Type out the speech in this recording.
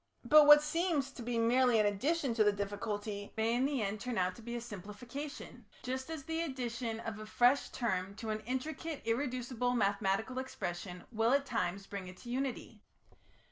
But what seems to be merely an addition to the difficulty may in the end turn out to be a simplification, just as the introduction of a fresh term to an intricate irreducible mathematical expression will at times bring it to unity.